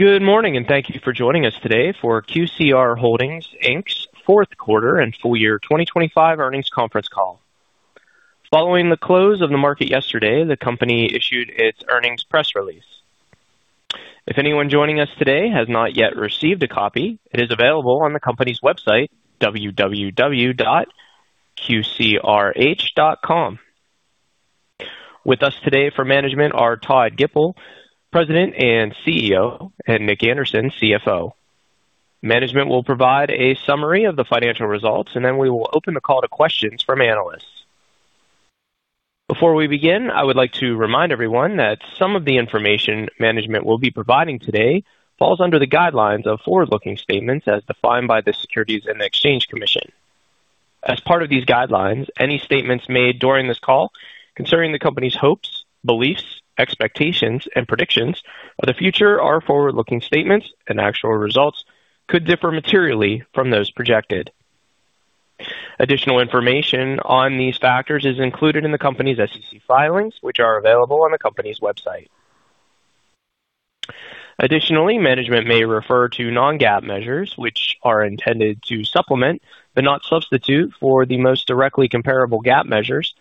Good morning, and thank you for joining us today for QCR Holdings, Inc.'s fourth quarter and full year 2025 earnings conference call. Following the close of the market yesterday, the company issued its earnings press release. If anyone joining us today has not yet received a copy, it is available on the company's website, www.qcrh.com. With us today for management are Todd Gipple, President and CEO, and Nick Anderson, CFO. Management will provide a summary of the financial results, and then we will open the call to questions from analysts. Before we begin, I would like to remind everyone that some of the information management will be providing today falls under the guidelines of forward-looking statements as defined by the Securities and Exchange Commission. As part of these guidelines, any statements made during this call concerning the company's hopes, beliefs, expectations, and predictions of the future are forward-looking statements, and actual results could differ materially from those projected. Additional information on these factors is included in the company's SEC filings, which are available on the company's website. Additionally, management may refer to non-GAAP measures, which are intended to supplement, but not substitute, for the most directly comparable GAAP measures.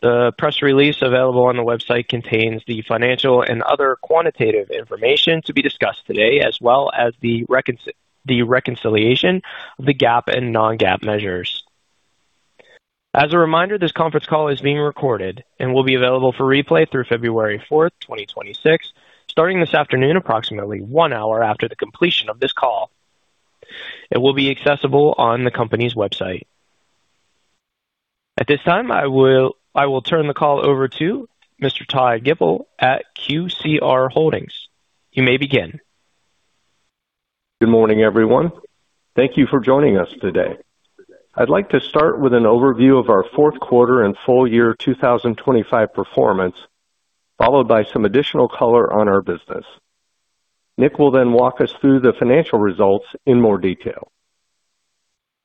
The press release available on the website contains the financial and other quantitative information to be discussed today, as well as the reconciliation of the GAAP and non-GAAP measures. As a reminder, this conference call is being recorded and will be available for replay through February 4th, 2026, starting this afternoon, approximately one hour after the completion of this call. It will be accessible on the company's website. At this time, I will turn the call over to Mr. Todd Gipple at QCR Holdings. You may begin. Good morning, everyone. Thank you for joining us today. I'd like to start with an overview of our fourth quarter and full year 2025 performance, followed by some additional color on our business. Nick will then walk us through the financial results in more detail.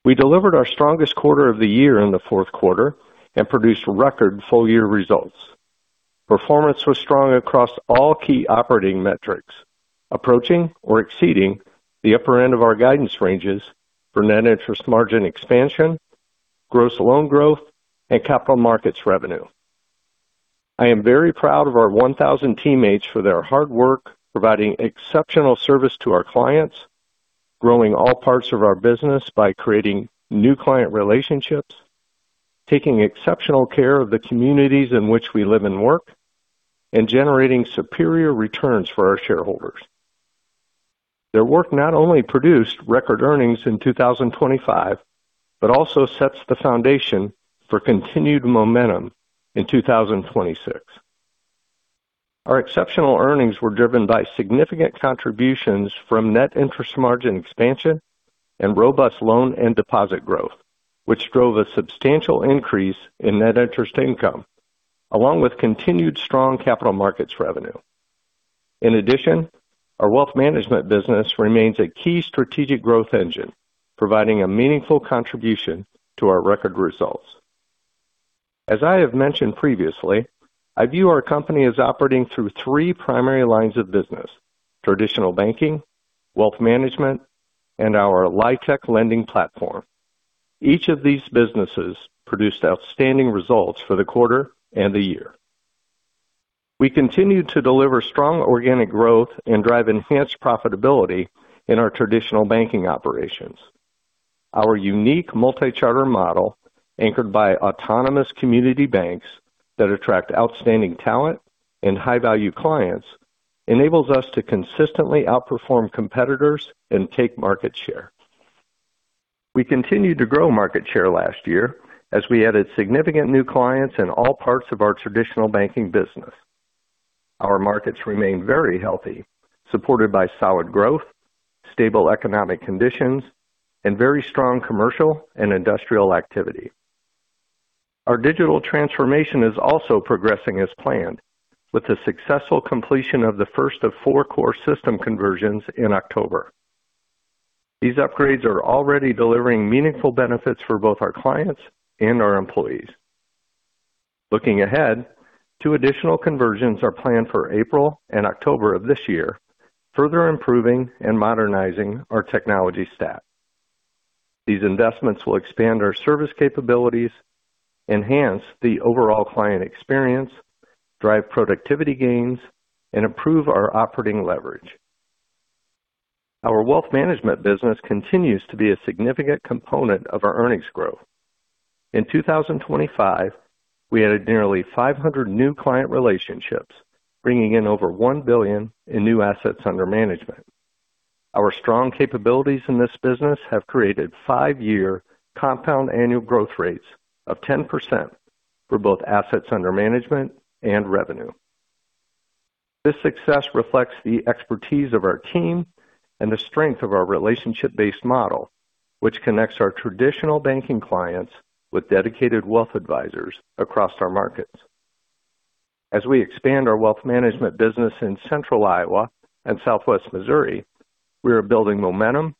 We delivered our strongest quarter of the year in the fourth quarter and produced record full-year results. Performance was strong across all key operating metrics, approaching or exceeding the upper end of our guidance ranges for net interest margin expansion, gross loan growth, and capital markets revenue. I am very proud of our 1,000 teammates for their hard work, providing exceptional service to our clients, growing all parts of our business by creating new client relationships, taking exceptional care of the communities in which we live and work, and generating superior returns for our shareholders. Their work not only produced record earnings in 2025 but also sets the foundation for continued momentum in 2026. Our exceptional earnings were driven by significant contributions from net interest margin expansion and robust loan and deposit growth, which drove a substantial increase in net interest income, along with continued strong capital markets revenue. In addition, our wealth management business remains a key strategic growth engine, providing a meaningful contribution to our record results. As I have mentioned previously, I view our company as operating through three primary lines of business: traditional banking, wealth management, and our LIHTC lending platform. Each of these businesses produced outstanding results for the quarter and the year. We continued to deliver strong organic growth and drive enhanced profitability in our traditional banking operations. Our unique multi-charter model, anchored by autonomous community banks that attract outstanding talent and high-value clients, enables us to consistently outperform competitors and take market share. We continued to grow market share last year as we added significant new clients in all parts of our traditional banking business. Our markets remain very healthy, supported by solid growth, stable economic conditions, and very strong commercial and industrial activity. Our digital transformation is also progressing as planned, with the successful completion of the first of four core system conversions in October. These upgrades are already delivering meaningful benefits for both our clients and our employees. Looking ahead, two additional conversions are planned for April and October of this year, further improving and modernizing our technology stack. These investments will expand our service capabilities, enhance the overall client experience, drive productivity gains, and improve our operating leverage. Our wealth management business continues to be a significant component of our earnings growth. In 2025, we added nearly 500 new client relationships, bringing in over $1 billion in new assets under management. Our strong capabilities in this business have created five-year compound annual growth rates of 10% for both assets under management and revenue. This success reflects the expertise of our team and the strength of our relationship-based model, which connects our traditional banking clients with dedicated wealth advisors across our markets. As we expand our wealth management business in Central Iowa and Southwest Missouri, we are building momentum,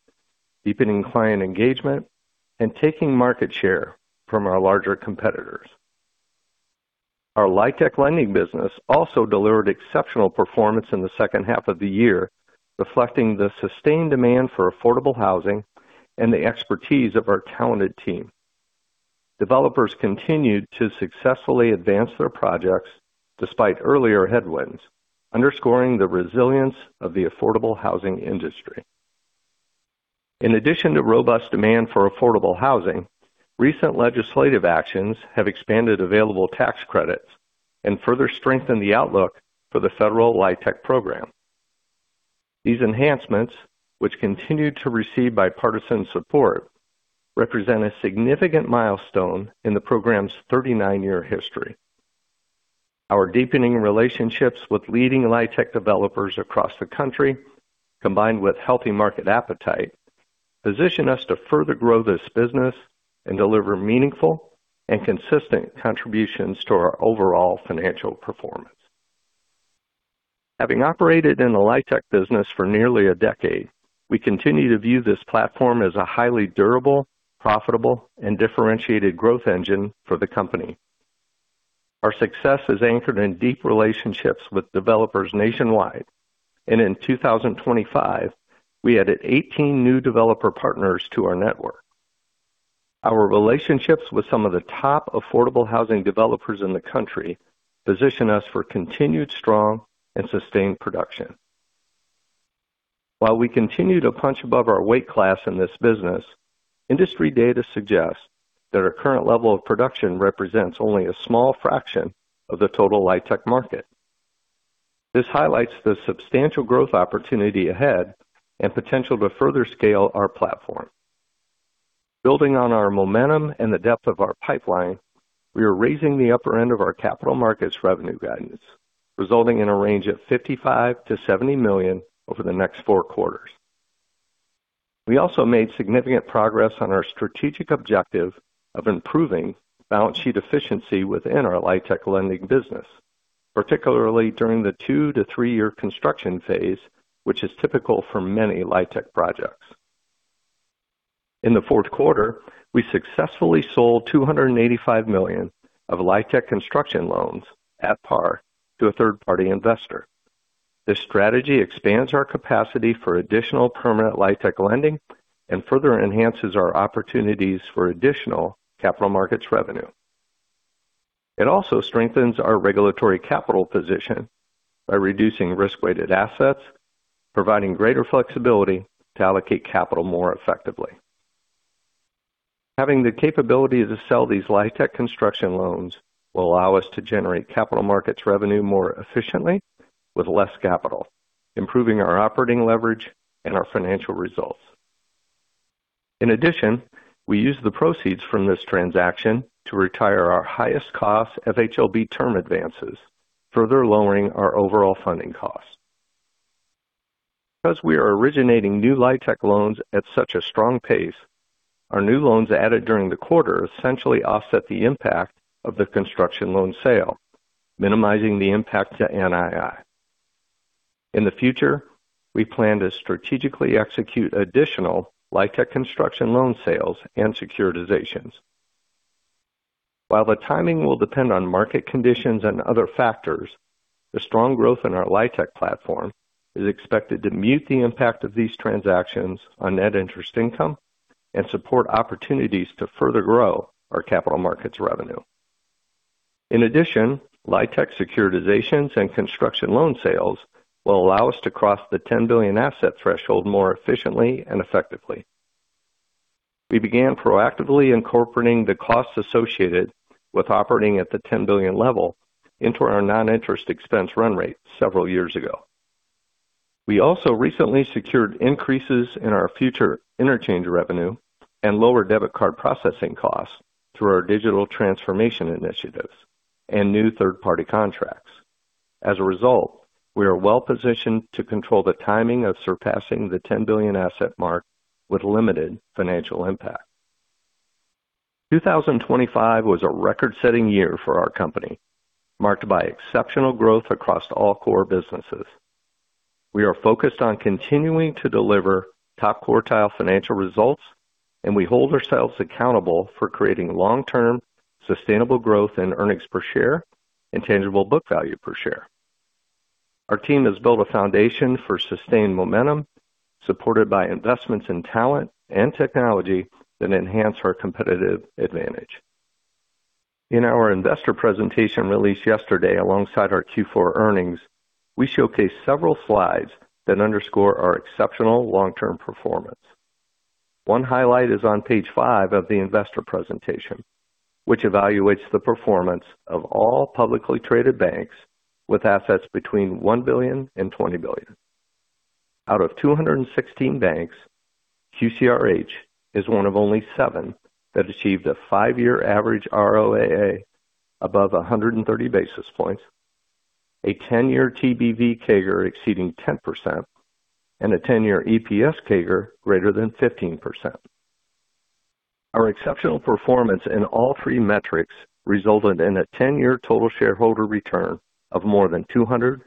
deepening client engagement, and taking market share from our larger competitors. Our LIHTC lending business also delivered exceptional performance in the second half of the year, reflecting the sustained demand for affordable housing and the expertise of our talented team. Developers continued to successfully advance their projects despite earlier headwinds, underscoring the resilience of the affordable housing industry. In addition to robust demand for affordable housing, recent legislative actions have expanded available tax credits and further strengthened the outlook for the federal LIHTC program. These enhancements, which continue to receive bipartisan support, represent a significant milestone in the program's 39-year history. Our deepening relationships with leading LIHTC developers across the country, combined with healthy market appetite, position us to further grow this business and deliver meaningful and consistent contributions to our overall financial performance. Having operated in the LIHTC business for nearly a decade, we continue to view this platform as a highly durable, profitable, and differentiated growth engine for the company. Our success is anchored in deep relationships with developers nationwide, and in 2025, we added 18 new developer partners to our network. Our relationships with some of the top affordable housing developers in the country position us for continued, strong, and sustained production. While we continue to punch above our weight class in this business, industry data suggests that our current level of production represents only a small fraction of the total LIHTC market. This highlights the substantial growth opportunity ahead and potential to further scale our platform. Building on our momentum and the depth of our pipeline, we are raising the upper end of our capital markets revenue guidance, resulting in a range of $55 million-$70 million over the next four quarters. We also made significant progress on our strategic objective of improving balance sheet efficiency within our LIHTC lending business, particularly during the 2-3 year construction phase, which is typical for many LIHTC projects. In the fourth quarter, we successfully sold $285 million of LIHTC construction loans at par to a third-party investor. This strategy expands our capacity for additional permanent LIHTC lending and further enhances our opportunities for additional capital markets revenue. It also strengthens our regulatory capital position by reducing risk-weighted assets, providing greater flexibility to allocate capital more effectively. Having the capability to sell these LIHTC construction loans will allow us to generate capital markets revenue more efficiently with less capital, improving our operating leverage and our financial results. In addition, we use the proceeds from this transaction to retire our highest cost FHLB term advances, further lowering our overall funding costs. Because we are originating new LIHTC loans at such a strong pace, our new loans added during the quarter essentially offset the impact of the construction loan sale, minimizing the impact to NII. In the future, we plan to strategically execute additional LIHTC construction loan sales and securitizations. While the timing will depend on market conditions and other factors, the strong growth in our LIHTC platform is expected to mute the impact of these transactions on net interest income and support opportunities to further grow our capital markets revenue. In addition, LIHTC securitizations and construction loan sales will allow us to cross the $10 billion asset threshold more efficiently and effectively. We began proactively incorporating the costs associated with operating at the $10 billion level into our non-interest expense run rate several years ago. We also recently secured increases in our future interchange revenue and lower debit card processing costs through our digital transformation initiatives and new third-party contracts. As a result, we are well positioned to control the timing of surpassing the $10 billion asset mark with limited financial impact. 2025 was a record-setting year for our company, marked by exceptional growth across all core businesses. We are focused on continuing to deliver top-quartile financial results, and we hold ourselves accountable for creating long-term, sustainable growth in earnings per share and tangible book value per share. Our team has built a foundation for sustained momentum, supported by investments in talent and technology that enhance our competitive advantage. In our investor presentation, released yesterday alongside our Q4 earnings, we showcase several slides that underscore our exceptional long-term performance. One highlight is on page five of the investor presentation, which evaluates the performance of all publicly traded banks with assets between $1 billion-$20 billion. Out of 216 banks, QCRH is one of only seven that achieved a 5-year average ROAA above 130 basis points, a 10-year TBV CAGR exceeding 10%, and a 10-year EPS CAGR greater than 15%. Our exceptional performance in all three metrics resulted in a 10-year total shareholder return of more than 250%,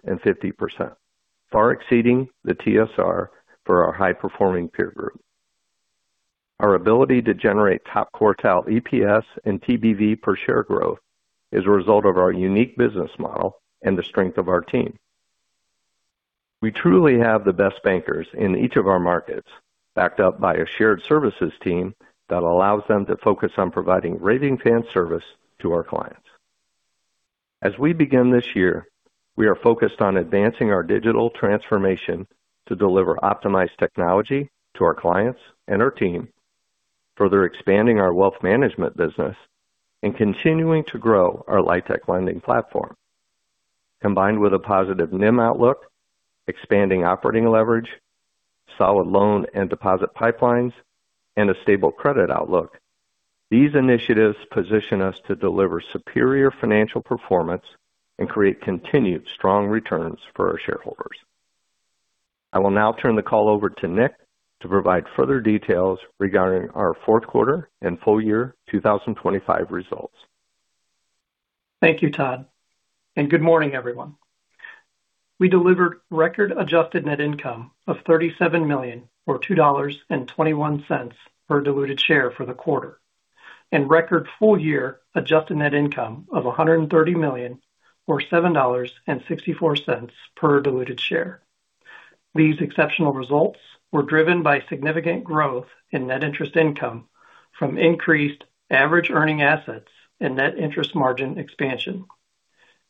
far exceeding the TSR for our high-performing peer group. Our ability to generate top quartile EPS and TBV per share growth is a result of our unique business model and the strength of our team. We truly have the best bankers in each of our markets, backed up by a shared services team that allows them to focus on providing raving fan service to our clients. As we begin this year, we are focused on advancing our digital transformation to deliver optimized technology to our clients and our team, further expanding our wealth management business, and continuing to grow our LIHTC lending platform. Combined with a positive NIM outlook, expanding operating leverage, solid loan and deposit pipelines, and a stable credit outlook, these initiatives position us to deliver superior financial performance and create continued strong returns for our shareholders. I will now turn the call over to Nick to provide further details regarding our fourth quarter and full year 2025 results. Thank you, Todd, and good morning, everyone. We delivered record adjusted net income of $37 million, or $2.21 per diluted share for the quarter, and record full year adjusted net income of $130 million, or $7.64 per diluted share. These exceptional results were driven by significant growth in net interest income from increased average earning assets and net interest margin expansion.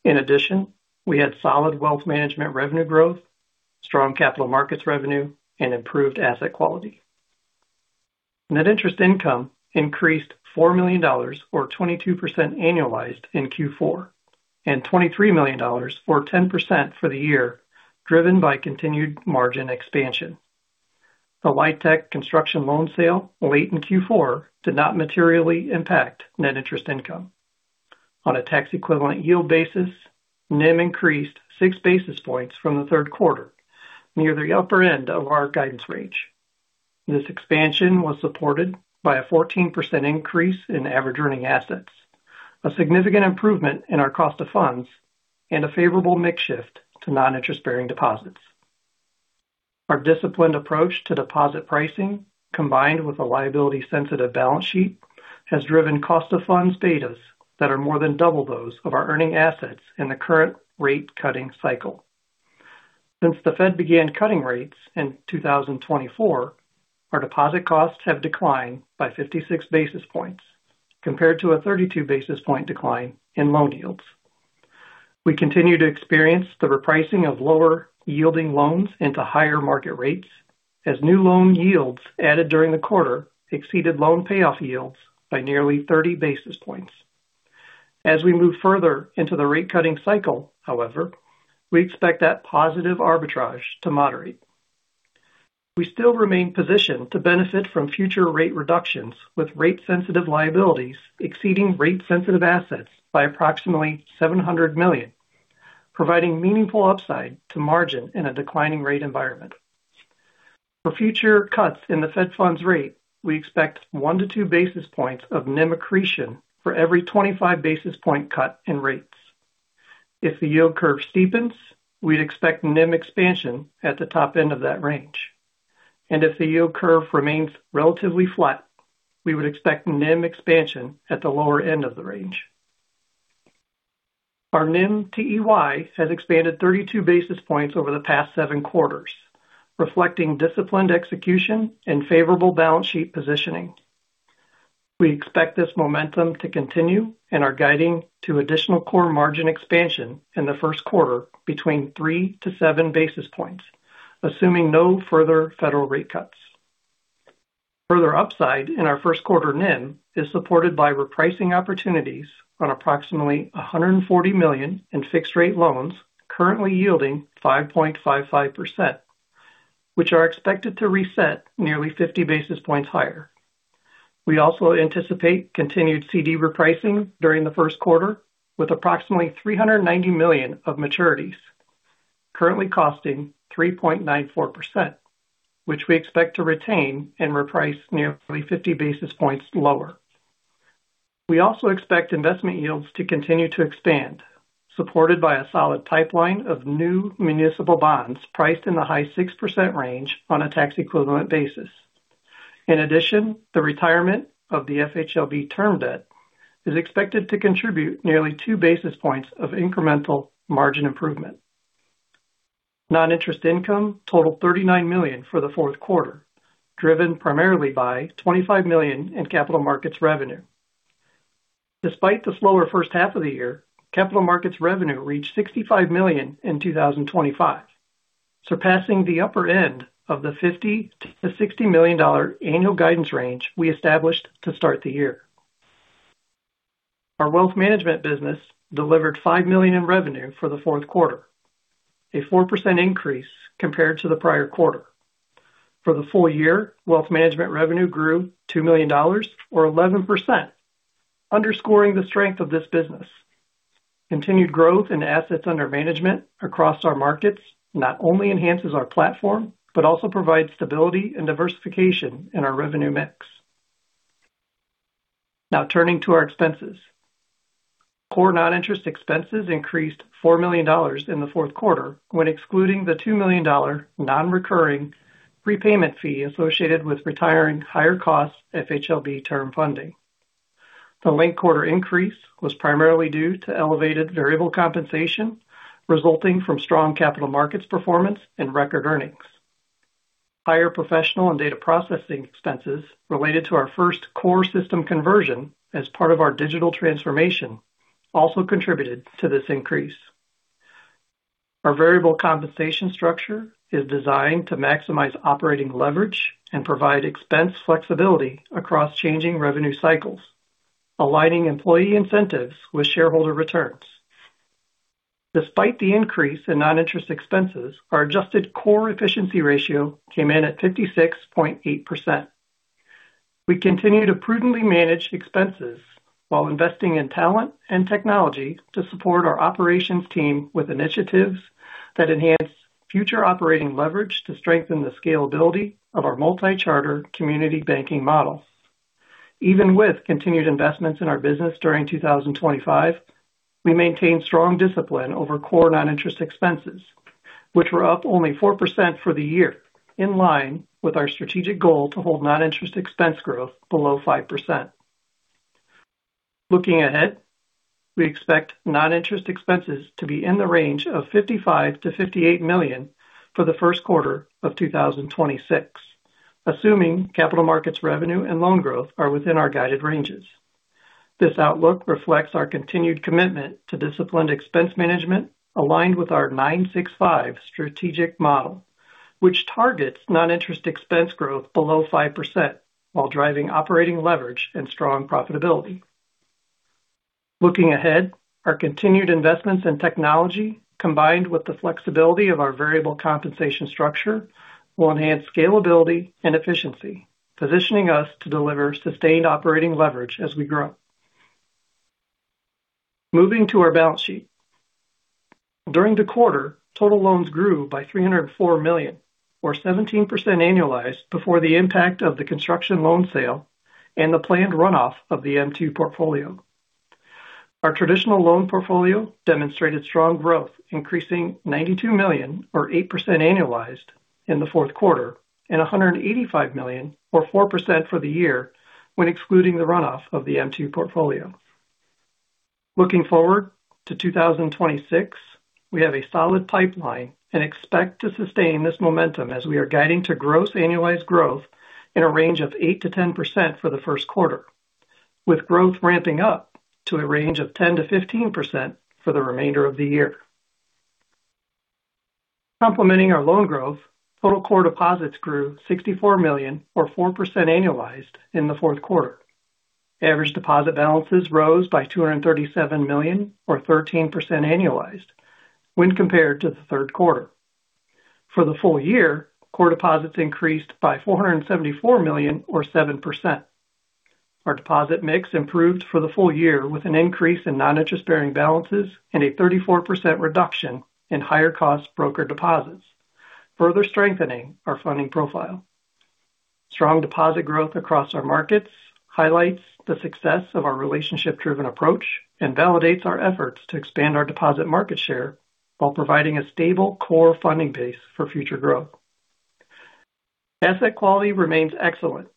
In addition, we had solid wealth management revenue growth, strong capital markets revenue, and improved asset quality. Net interest income increased $4 million, or 22% annualized in Q4, and $23 million, or 10% for the year, driven by continued margin expansion. The LIHTC construction loan sale late in Q4 did not materially impact net interest income. On a tax equivalent yield basis, NIM increased 6 basis points from the third quarter, near the upper end of our guidance range. This expansion was supported by a 14% increase in average earning assets, a significant improvement in our cost of funds, and a favorable mix shift to non-interest-bearing deposits. Our disciplined approach to deposit pricing, combined with a liability-sensitive balance sheet, has driven cost of funds betas that are more than double those of our earning assets in the current rate cutting cycle. Since the Fed began cutting rates in 2024, our deposit costs have declined by 56 basis points, compared to a 32 basis point decline in loan yields. We continue to experience the repricing of lower yielding loans into higher market rates as new loan yields added during the quarter exceeded loan payoff yields by nearly 30 basis points. As we move further into the rate cutting cycle, however, we expect that positive arbitrage to moderate. We still remain positioned to benefit from future rate reductions, with rate-sensitive liabilities exceeding rate-sensitive assets by approximately $700 million, providing meaningful upside to margin in a declining rate environment. For future cuts in the Fed funds rate, we expect 1-2 basis points of NIM accretion for every 25 basis point cut in rates. If the yield curve steepens, we'd expect NIM expansion at the top end of that range. If the yield curve remains relatively flat, we would expect NIM expansion at the lower end of the range. Our NIM to TEY has expanded 32 basis points over the past seven quarters, reflecting disciplined execution and favorable balance sheet positioning. We expect this momentum to continue and are guiding to additional core margin expansion in the first quarter between 3-7 basis points, assuming no further federal rate cuts. Further upside in our first quarter NIM is supported by repricing opportunities on approximately $140 million in fixed-rate loans, currently yielding 5.55%, which are expected to reset nearly 50 basis points higher. We also anticipate continued CD repricing during the first quarter, with approximately $390 million of maturities, currently costing 3.94%, which we expect to retain and reprice nearly 50 basis points lower. We also expect investment yields to continue to expand, supported by a solid pipeline of new municipal bonds priced in the high 6% range on a tax equivalent basis. In addition, the retirement of the FHLB term debt is expected to contribute nearly two basis points of incremental margin improvement. Non-interest income totaled $39 million for the fourth quarter, driven primarily by $25 million in capital markets revenue. Despite the slower first half of the year, capital markets revenue reached $65 million in 2025, surpassing the upper end of the $50 million-$60 million annual guidance range we established to start the year. Our wealth management business delivered $5 million in revenue for the fourth quarter, a 4% increase compared to the prior quarter. For the full year, wealth management revenue grew $2 million or 11%, underscoring the strength of this business. Continued growth in assets under management across our markets not only enhances our platform, but also provides stability and diversification in our revenue mix. Now turning to our expenses. Core non-interest expenses increased $4 million in the fourth quarter, when excluding the $2 million non-recurring prepayment fee associated with retiring higher cost FHLB term funding. The linked quarter increase was primarily due to elevated variable compensation, resulting from strong capital markets performance and record earnings. Higher professional and data processing expenses related to our first core system conversion as part of our digital transformation also contributed to this increase. Our variable compensation structure is designed to maximize operating leverage and provide expense flexibility across changing revenue cycles, aligning employee incentives with shareholder returns. Despite the increase in non-interest expenses, our adjusted core efficiency ratio came in at 56.8%. We continue to prudently manage expenses while investing in talent and technology to support our operations team with initiatives that enhance future operating leverage to strengthen the scalability of our multi-charter community banking model. Even with continued investments in our business during 2025, we maintained strong discipline over core non-interest expenses, which were up only 4% for the year, in line with our strategic goal to hold non-interest expense growth below 5%. Looking ahead, we expect non-interest expenses to be in the range of $55 million-$58 million for the first quarter of 2026, assuming capital markets revenue and loan growth are within our guided ranges. This outlook reflects our continued commitment to disciplined expense management, aligned with our 9-6-5 strategic model, which targets non-interest expense growth below 5% while driving operating leverage and strong profitability. Looking ahead, our continued investments in technology, combined with the flexibility of our variable compensation structure, will enhance scalability and efficiency, positioning us to deliver sustained operating leverage as we grow. Moving to our balance sheet. During the quarter, total loans grew by $304 million, or 17% annualized before the impact of the construction loan sale and the planned runoff of the M2 portfolio. Our traditional loan portfolio demonstrated strong growth, increasing $92 million or 8% annualized in the fourth quarter, and $185 million or 4% for the year, when excluding the runoff of the M2 portfolio. Looking forward to 2026, we have a solid pipeline and expect to sustain this momentum as we are guiding to gross annualized growth in a range of 8%-10% for the first quarter, with growth ramping up to a range of 10%-15% for the remainder of the year. Complementing our loan growth, total core deposits grew $64 million or 4% annualized in the fourth quarter. Average deposit balances rose by $237 million or 13% annualized when compared to the third quarter. For the full year, core deposits increased by $474 million or 7%. Our deposit mix improved for the full year with an increase in non-interest-bearing balances and a 34% reduction in higher cost broker deposits, further strengthening our funding profile. Strong deposit growth across our markets highlights the success of our relationship-driven approach and validates our efforts to expand our deposit market share while providing a stable core funding base for future growth. Asset quality remains excellent.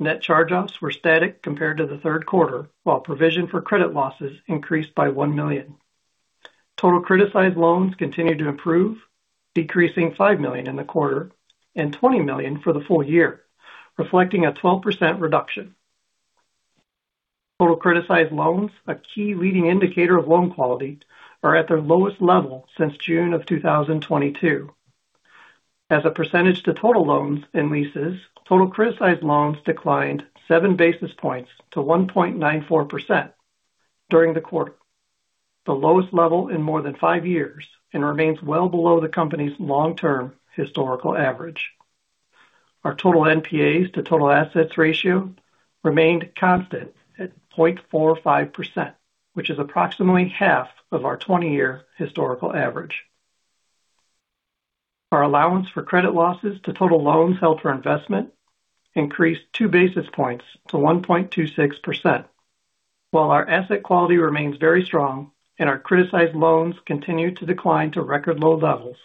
Net charge-offs were static compared to the third quarter, while provision for credit losses increased by $1 million. Total criticized loans continued to improve, decreasing $5 million in the quarter and $20 million for the full year, reflecting a 12% reduction. Total criticized loans, a key leading indicator of loan quality, are at their lowest level since June 2022. As a percentage to total loans and leases, total criticized loans declined 7 basis points to 1.94% during the quarter, the lowest level in more than 5 years, and remains well below the company's long-term historical average. Our total NPAs to total assets ratio remained constant at 0.45%, which is approximately half of our 20-year historical average. Our allowance for credit losses to total loans held for investment increased 2 basis points to 1.26%. While our asset quality remains very strong and our criticized loans continue to decline to record low levels,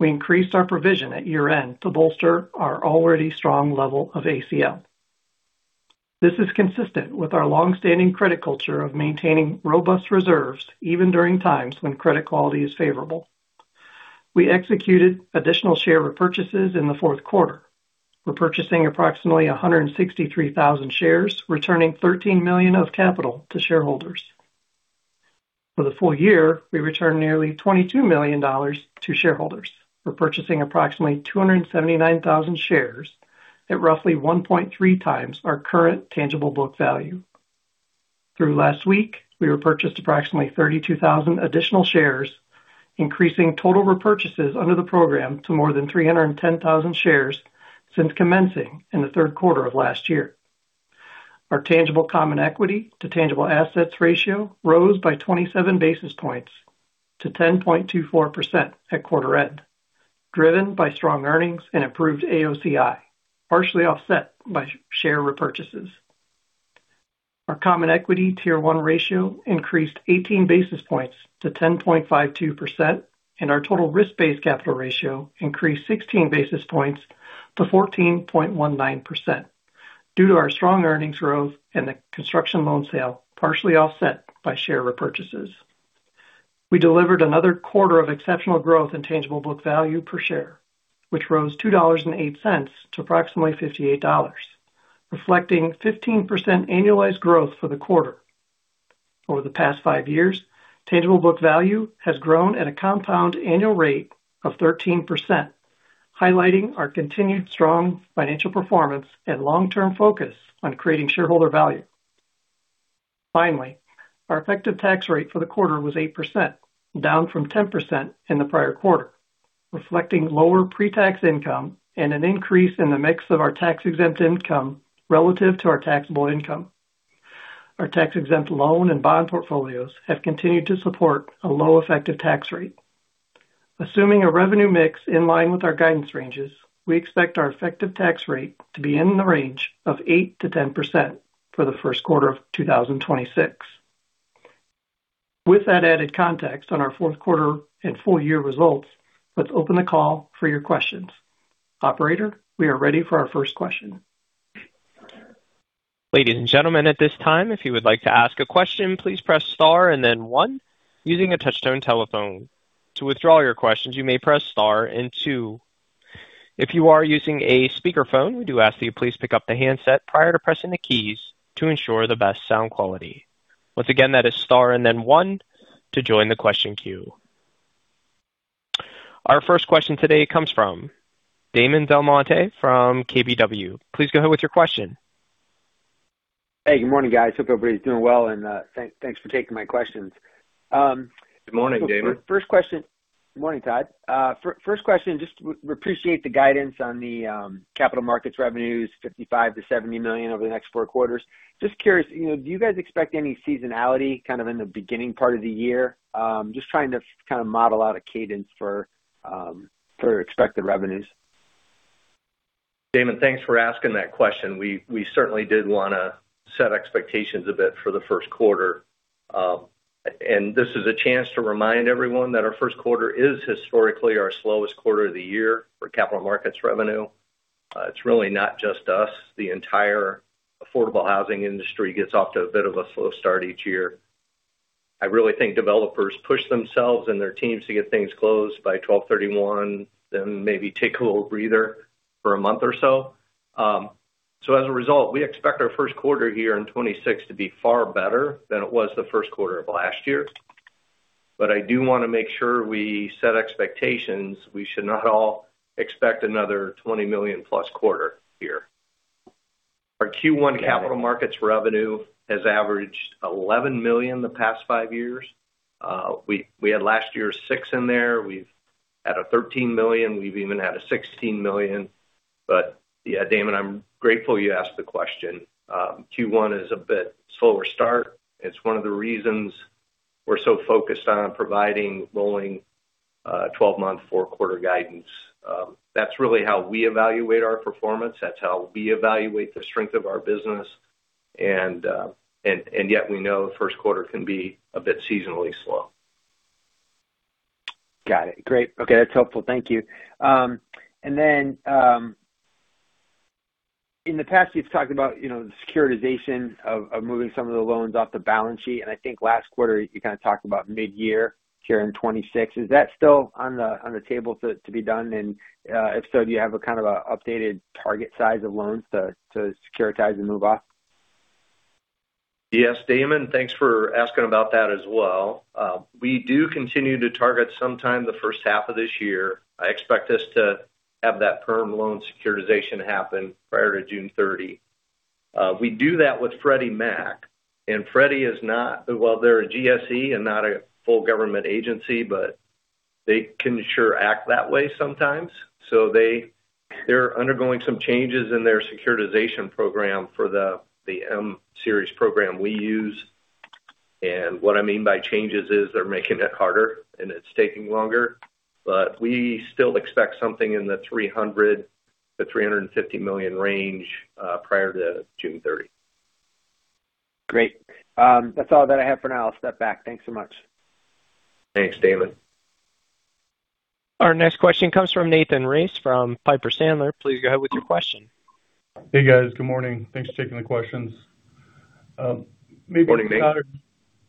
we increased our provision at year-end to bolster our already strong level of ACL. This is consistent with our long-standing credit culture of maintaining robust reserves, even during times when credit quality is favorable. We executed additional share repurchases in the fourth quarter, repurchasing approximately 163,000 shares, returning $13 million of capital to shareholders. For the full year, we returned nearly $22 million to shareholders, repurchasing approximately 279,000 shares at roughly 1.3 times our current tangible book value. Through last week, we repurchased approximately 32,000 additional shares, increasing total repurchases under the program to more than 310,000 shares since commencing in the third quarter of last year. Our tangible common equity to tangible assets ratio rose by 27 basis points to 10.24% at quarter end driven by strong earnings and improved AOCI, partially offset by share repurchases. Our common equity Tier 1 ratio increased 18 basis points to 10.52%, and our total risk-based capital ratio increased 16 basis points to 14.19%, due to our strong earnings growth and the construction loan sale, partially offset by share repurchases. We delivered another quarter of exceptional growth in tangible book value per share, which rose $2.08 to approximately $58, reflecting 15% annualized growth for the quarter. Over the past 5 years, tangible book value has grown at a compound annual rate of 13%, highlighting our continued strong financial performance and long-term focus on creating shareholder value. Finally, our effective tax rate for the quarter was 8%, down from 10% in the prior quarter, reflecting lower pretax income and an increase in the mix of our tax-exempt income relative to our taxable income. Our tax-exempt loan and bond portfolios have continued to support a low effective tax rate. Assuming a revenue mix in line with our guidance ranges, we expect our effective tax rate to be in the range of 8%-10% for the first quarter of 2026. With that added context on our fourth quarter and full year results, let's open the call for your questions. Operator, we are ready for our first question. Ladies and gentlemen, at this time, if you would like to ask a question, please press Star and then One using a touchtone telephone. To withdraw your questions, you may press Star and Two. If you are using a speakerphone, we do ask that you please pick up the handset prior to pressing the keys to ensure the best sound quality. Once again, that is Star and then One to join the question queue. Our first question today comes from Damon Del Monte from KBW. Please go ahead with your question. Hey, good morning, guys. Hope everybody's doing well, and thanks for taking my questions. Good morning, Damon. First question. Good morning, Todd. First question, just we appreciate the guidance on the capital markets revenues, $55 million-$70 million over the next four quarters. Just curious, you know, do you guys expect any seasonality kind of in the beginning part of the year? Just trying to kind of model out a cadence for expected revenues. Damon, thanks for asking that question. We, we certainly did want to set expectations a bit for the first quarter. This is a chance to remind everyone that our first quarter is historically our slowest quarter of the year for capital markets revenue. It's really not just us. The entire affordable housing industry gets off to a bit of a slow start each year. I really think developers push themselves and their teams to get things closed by twelve thirty-one, then maybe take a little breather for a month or so. As a result, we expect our first quarter here in 2026 to be far better than it was the first quarter of last year. But I do want to make sure we set expectations. We should not all expect another $20 million plus quarter here. Our Q1 capital markets revenue has averaged $11 million the past five years. We had last year $6 million in there. We've had a $13 million. We've even had a $16 million. But yeah, Damon, I'm grateful you asked the question. Q1 is a bit slower start. It's one of the reasons we're so focused on providing rolling 12-month, 4-quarter guidance. That's really how we evaluate our performance. That's how we evaluate the strength of our business, and yet we know first quarter can be a bit seasonally slow. Got it. Great. Okay, that's helpful. Thank you. And then, in the past, you've talked about, you know, the securitization of moving some of the loans off the balance sheet, and I think last quarter, you kind of talked about mid-year here in 2026. Is that still on the table to be done? And, if so, do you have a kind of a updated target size of loans to securitize and move off? Yes, Damon, thanks for asking about that as well. We do continue to target sometime the first half of this year. I expect us to have that perm loan securitization happen prior to June 30th. We do that with Freddie Mac, and Freddie is not well, they're a GSE and not a full government agency, but they can sure act that way sometimes. So they're undergoing some changes in their securitization program for the M-Series program we use. And what I mean by changes is they're making it harder, and it's taking longer, but we still expect something in the $300 million-$350 million range prior to June 30. Great. That's all that I have for now. I'll step back. Thanks so much. Thanks, Damon. Our next question comes from Nathan Race, from Piper Sandler. Please go ahead with your question. Hey, guys. Good morning. Thanks for taking the questions. Maybe- Good morning, Nate.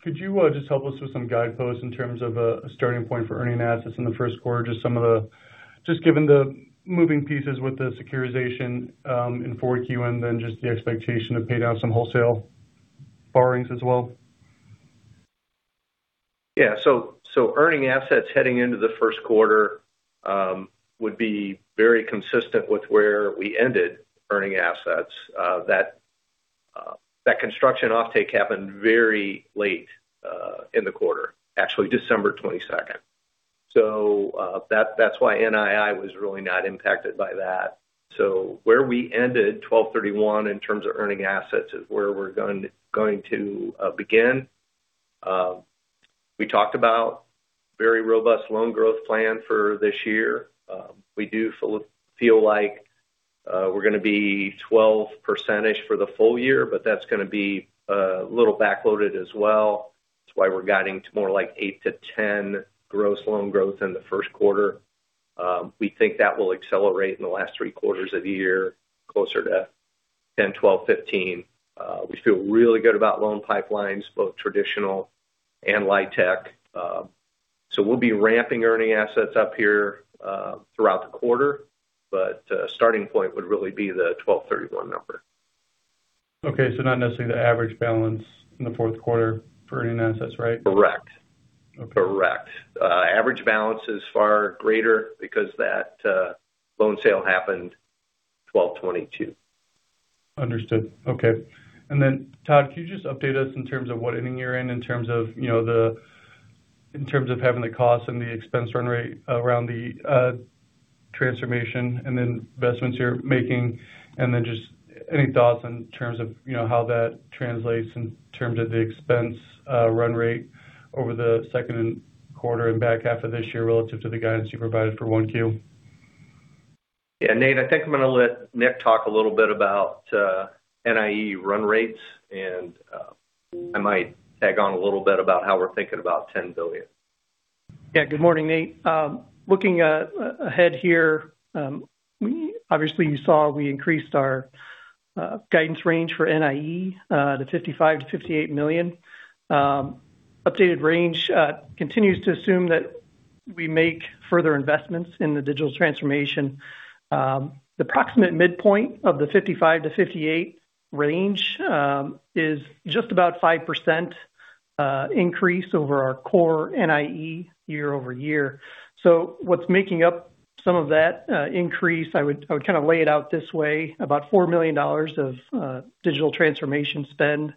Could you just help us with some guideposts in terms of a starting point for earning assets in the first quarter? Just given the moving pieces with the securitization in Q4, and then just the expectation to pay down some wholesale borrowings as well. Yeah. So, earning assets heading into the first quarter would be very consistent with where we ended earning assets. That construction offtake happened very late in the quarter, actually, December 22nd. So, that's why NII was really not impacted by that. So where we ended 12/31 in terms of earning assets is where we're going to begin. We talked about very robust loan growth plan for this year. We do feel like we're going to be 12% for the full year, but that's going to be a little backloaded as well. That's why we're guiding to more like 8%-10% gross loan growth in the first quarter. We think that will accelerate in the last three quarters of the year, closer to 10%, 12%, 15%. We feel really good about loan pipelines, both traditional and LIHTC. So we'll be ramping earning assets up here throughout the quarter, but starting point would really be the 12/31 number. Okay. So not necessarily the average balance in the fourth quarter for earning assets, right? Correct. Correct. Average balance is far greater because that loan sale happened 12/22/2025. Understood. Okay. And then, Todd, can you just update us in terms of what inning you're in, in terms of, you know, the, in terms of having the costs and the expense run rate around the transformation and the investments you're making, and then just any thoughts in terms of, you know, how that translates in terms of the expense run rate over the second quarter and back half of this year relative to the guidance you provided for 1Q? Yeah, Nate, I think I'm going to let Nick talk a little bit about NIE run rates, and I might tag on a little bit about how we're thinking about $10 billion. Yeah, good morning, Nate. Looking ahead here, we obviously, you saw we increased our guidance range for NIE to $55 million-$58 million. Updated range continues to assume that we make further investments in the digital transformation. The approximate midpoint of the $55 million-$58 million range is just about 5% increase over our core NIE year-over-year. So what's making up some of that increase, I would kind of lay it out this way, about $4 million of digital transformation spend,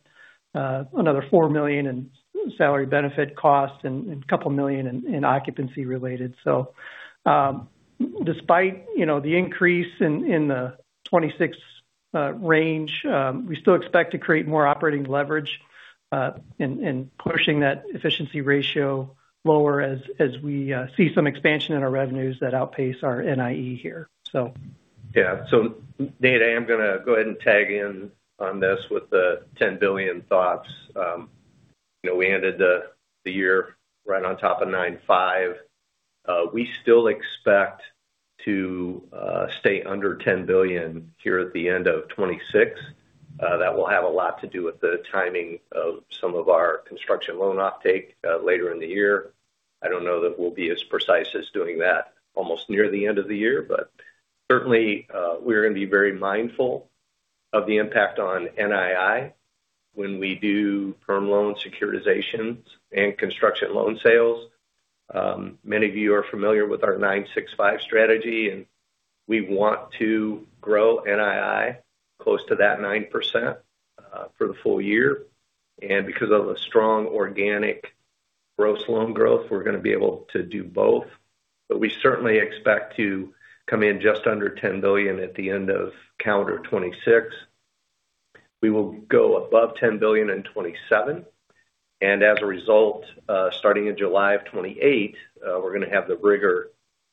another $4 million in salary benefit costs and a couple million in occupancy related. So, despite, you know, the increase in the 26 range, we still expect to create more operating leverage in pushing that efficiency ratio lower as we see some expansion in our revenues that outpace our NIE here. So... Yeah. So Nate, I am going to go ahead and tag in on this with the $10 billion thoughts. You know, we ended the year right on top of $9.5 billion. We still expect to stay under $10 billion here at the end of 2026. That will have a lot to do with the timing of some of our construction loan offtake later in the year. I don't know that we'll be as precise as doing that almost near the end of the year, but certainly, we're going to be very mindful of the impact on NII when we do firm loan securitizations and construction loan sales. Many of you are familiar with our 9-6-5 strategy, and we want to grow NII close to that 9% for the full year. Because of a strong organic gross loan growth, we're going to be able to do both. But we certainly expect to come in just under $10 billion at the end of calendar 2026. We will go above $10 billion in 2027, and as a result, starting in July of 2028, we're going to have the rigor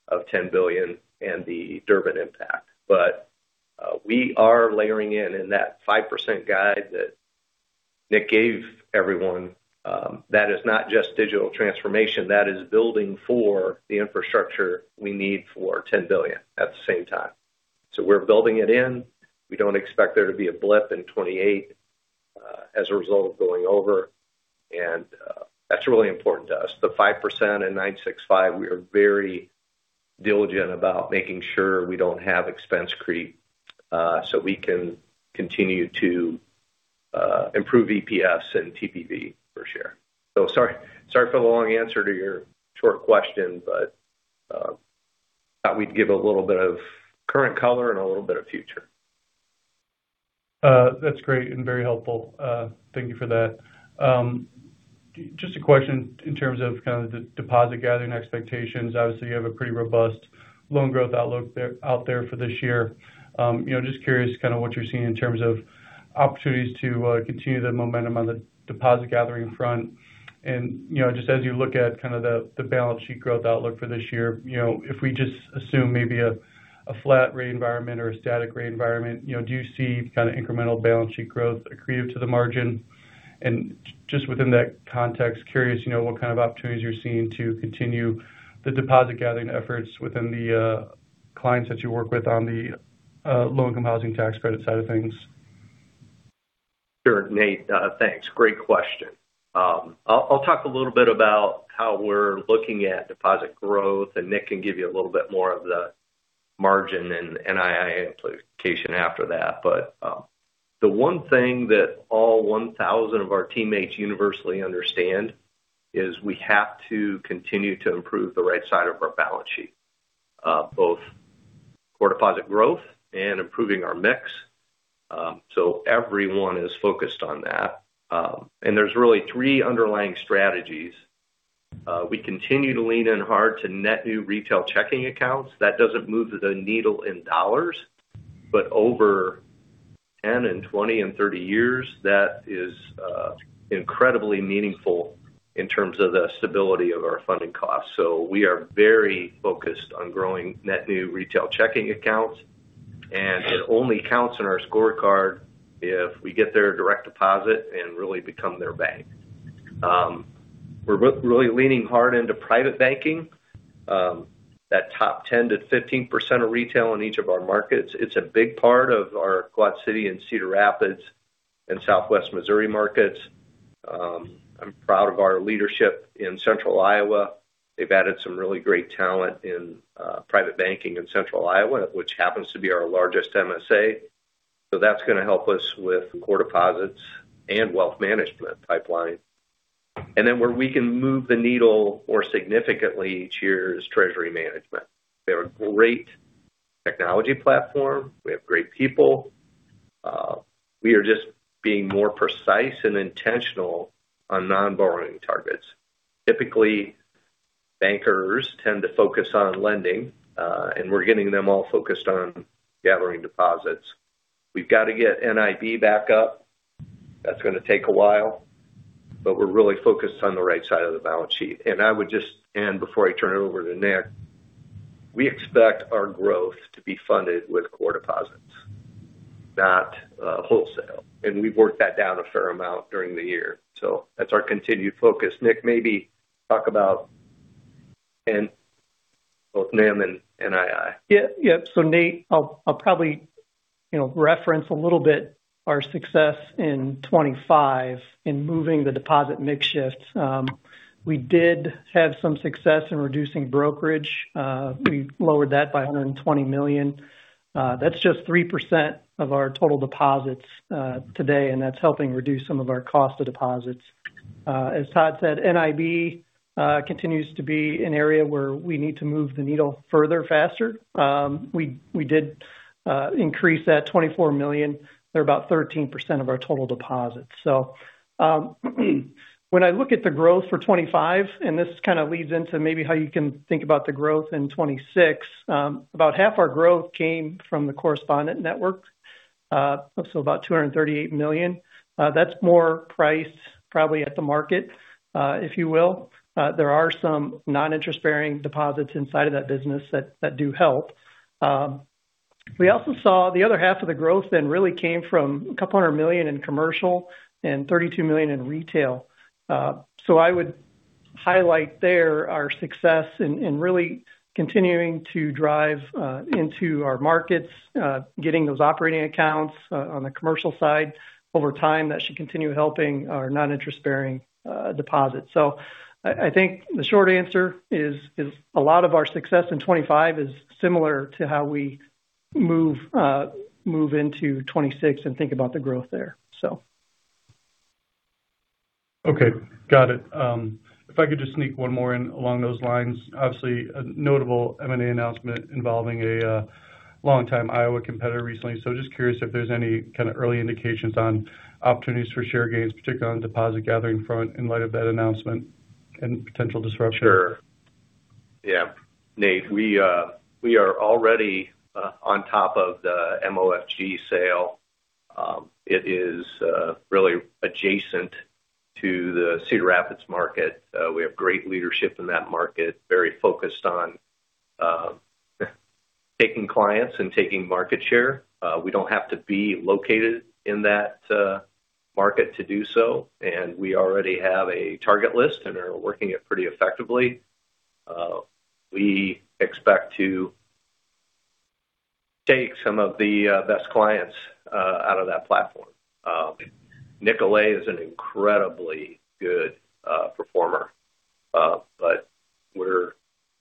of $10 billion and the Durbin impact. But, we are layering in, in that 5% guide that Nick gave everyone, that is not just digital transformation, that is building for the infrastructure we need for $10 billion at the same time. So we're building it in. We don't expect there to be a blip in 2028, as a result of going over, and, that's really important to us. The 5% and 9-6-5, we are very diligent about making sure we don't have expense creep, so we can continue to improve EPS and TPV per share. So sorry, sorry for the long answer to your short question, but thought we'd give a little bit of current color and a little bit of future. That's great and very helpful. Thank you for that. Just a question in terms of kind of the deposit gathering expectations. Obviously, you have a pretty robust loan growth outlook there, out there for this year. You know, just curious kind of what you're seeing in terms of opportunities to continue the momentum on the deposit gathering front. And, you know, just as you look at kind of the balance sheet growth outlook for this year, you know, if we just assume maybe a flat rate environment or a static rate environment, you know, do you see kind of incremental balance sheet growth accretive to the margin? Just within that context, curious, you know, what kind of opportunities you're seeing to continue the deposit gathering efforts within the clients that you work with on the Low-Income Housing Tax Credit side of things. Sure, Nate. Thanks. Great question. I'll talk a little bit about how we're looking at deposit growth, and Nick can give you a little bit more of the margin and NII implication after that. But the one thing that all 1,000 of our teammates universally understand is we have to continue to improve the right side of our balance sheet, both core deposit growth and improving our mix. So everyone is focused on that. And there's really three underlying strategies. We continue to lean in hard to net new retail checking accounts. That doesn't move the needle in dollars, but over 10 and 20 and 30 years, that is incredibly meaningful in terms of the stability of our funding costs. So we are very focused on growing net new retail checking accounts, and it only counts in our scorecard if we get their direct deposit and really become their bank. We're really leaning hard into private banking, that top 10%-15% of retail in each of our markets. It's a big part of our Quad Cities and Cedar Rapids and Southwest Missouri markets. I'm proud of our leadership in central Iowa. They've added some really great talent in private banking in central Iowa, which happens to be our largest MSA. So that's going to help us with core deposits and wealth management pipeline. And then where we can move the needle more significantly each year is treasury management. We have a great technology platform. We have great people. We are just being more precise and intentional on non-borrowing targets. Typically, bankers tend to focus on lending, and we're getting them all focused on gathering deposits. We've got to get NIB back up. That's going to take a while, but we're really focused on the right side of the balance sheet. And I would just end before I turn it over to Nick, we expect our growth to be funded with core deposits, not wholesale, and we've worked that down a fair amount during the year. So that's our continued focus. Nick, maybe talk about and both NIM and NII. Yeah. Yeah. So Nate, I'll probably, you know, reference a little bit our success in 2025 in moving the deposit mix shifts. We did have some success in reducing brokerage. We lowered that by $120 million. That's just 3% of our total deposits today, and that's helping reduce some of our cost of deposits. As Todd said, NIB continues to be an area where we need to move the needle further, faster. We did increase that $24 million. They're about 13% of our total deposits. So, when I look at the growth for 2025, and this kind of leads into maybe how you can think about the growth in 2026, about half our growth came from the correspondent network, so about $238 million. That's more priced probably at the market, if you will. There are some non-interest-bearing deposits inside of that business that do help. We also saw the other half of the growth then really came from $200 million in commercial and $32 million in retail. So I would highlight there our success in really continuing to drive into our markets, getting those operating accounts on the commercial side. Over time, that should continue helping our non-interest-bearing deposits. So I think the short answer is a lot of our success in 25 is similar to how we move into 26 and think about the growth there, so. Okay, got it. If I could just sneak one more in along those lines. Obviously, a notable M&A announcement involving a long-time Iowa competitor recently. Just curious if there's any kind of early indications on opportunities for share gains, particularly on deposit gathering front, in light of that announcement and potential disruption? Sure. Yeah. Nate, we are already on top of the MOFG sale. It is really adjacent to the Cedar Rapids market. We have great leadership in that market, very focused on taking clients and taking market share. We don't have to be located in that market to do so, and we already have a target list and are working it pretty effectively. We expect to take some of the best clients out of that platform. Nicolet is an incredibly good performer, but we're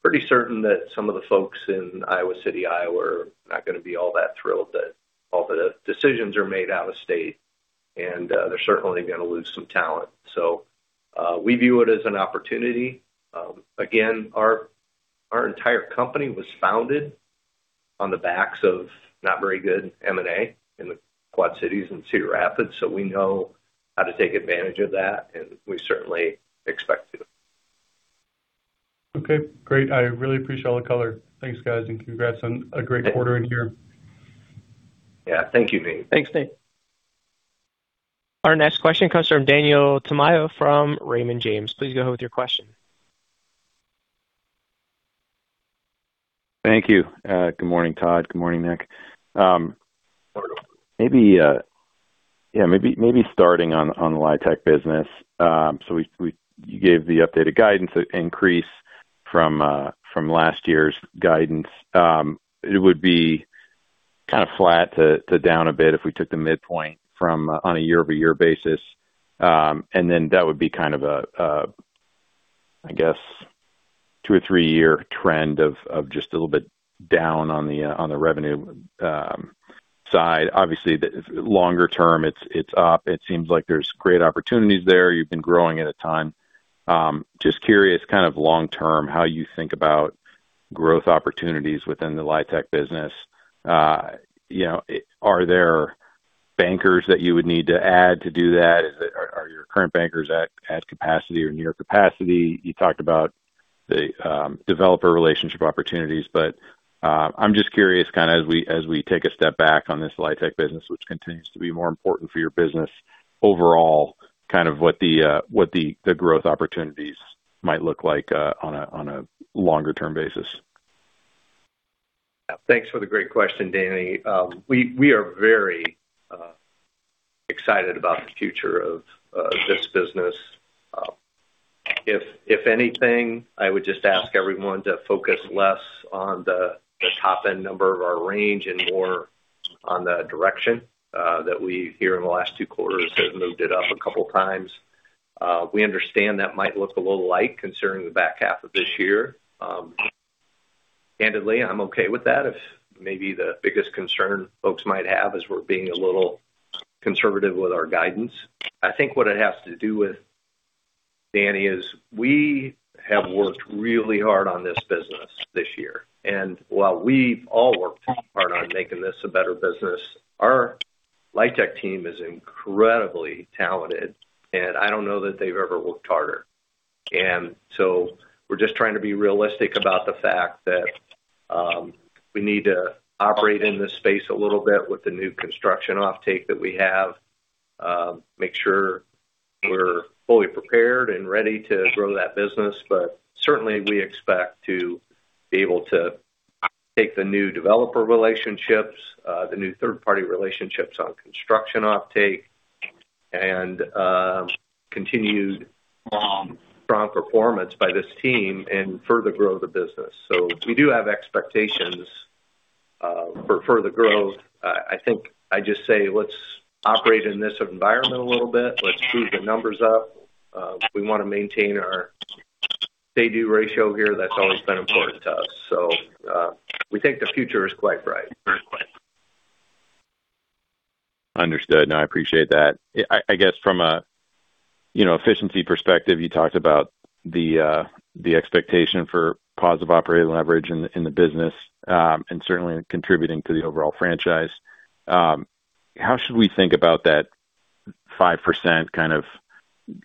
pretty certain that some of the folks in Iowa City, Iowa, are not going to be all that thrilled that all the decisions are made out of state, and they're certainly going to lose some talent. So, we view it as an opportunity. Again, our entire company was founded on the backs of not very good M&A in the Quad Cities and Cedar Rapids, so we know how to take advantage of that, and we certainly expect to. Okay, great. I really appreciate all the color. Thanks, guys, and congrats on a great quarter in here. Yeah. Thank you, Nate. Thanks, Nate. Our next question comes from Daniel Tamayo from Raymond James. Please go ahead with your question. Thank you. Good morning, Todd. Good morning, Nick. Maybe starting on the LIHTC business. So you gave the updated guidance increase from last year's guidance. It would be kind of flat to down a bit if we took the midpoint on a year-over-year basis. And then that would be kind of a I guess two or three-year trend of just a little bit down on the revenue side. Obviously, the longer term, it's up. It seems like there's great opportunities there. You've been growing at a time. Just curious, kind of long term, how you think about growth opportunities within the LIHTC business? You know, are there bankers that you would need to add to do that? Are your current bankers at capacity or near capacity? You talked about the developer relationship opportunities, but I'm just curious, kind of, as we take a step back on this LIHTC business, which continues to be more important for your business overall, kind of what the growth opportunities might look like on a longer-term basis. Thanks for the great question, Danny. We are very excited about the future of this business. If anything, I would just ask everyone to focus less on the top-end number of our range and more on the direction that we here in the last two quarters have moved it up a couple of times. We understand that might look a little light considering the back half of this year. Candidly, I'm okay with that. If maybe the biggest concern folks might have is we're being a little conservative with our guidance. I think what it has to do with, Danny, is we have worked really hard on this business this year, and while we've all worked hard on making this a better business, our LIHTC team is incredibly talented, and I don't know that they've ever worked harder. So we're just trying to be realistic about the fact that we need to operate in this space a little bit with the new construction offtake that we have, make sure we're fully prepared and ready to grow that business. But certainly, we expect to be able to take the new developer relationships, the new third-party relationships on construction offtake, and continued strong performance by this team and further grow the business. So we do have expectations for further growth. I think I just say, let's operate in this environment a little bit. Let's prove the numbers up. We want to maintain our paydown ratio here. That's always been important to us. So we think the future is quite bright. Understood. No, I appreciate that. I, I guess from a, you know, efficiency perspective, you talked about the, the expectation for positive operating leverage in the, in the business, and certainly contributing to the overall franchise. How should we think about that 5% kind of